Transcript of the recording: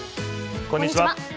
こんにちは。